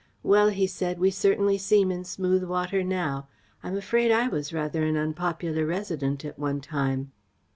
"Well," he said, "we certainly seem in smooth water now. I am afraid I was rather an unpopular resident at one time."